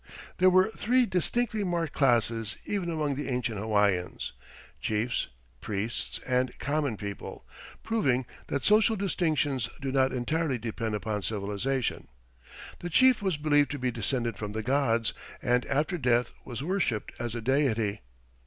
There were three distinctly marked classes even among the ancient Hawaiians chiefs, priests, and common people proving that social distinctions do not entirely depend upon civilization. The chief was believed to be descended from the gods and after death was worshiped as a deity.